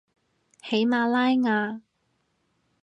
喜马拉雅